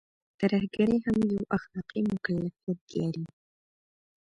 ترهګري هم يو اخلاقي مکلفيت لري.